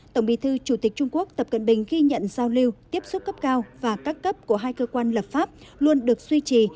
tổng bí thư chủ tịch trung quốc tập cận bình ghi nhận giao lưu tiếp xúc cấp cao và các cấp của hai cơ quan lập pháp luôn được duy trì